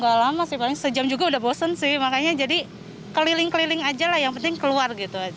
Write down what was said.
tidak lama sih paling sejam juga sudah bosan sih makanya jadi keliling keliling saja yang penting keluar